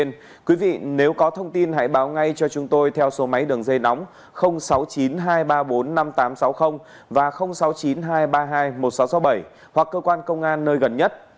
nếu có thông tin hãy báo ngay cho chúng tôi theo số máy đường dây nóng sáu mươi chín hai trăm ba mươi bốn năm nghìn tám trăm sáu mươi và sáu mươi chín hai trăm ba mươi hai một nghìn sáu trăm sáu mươi bảy hoặc cơ quan công an nơi gần nhất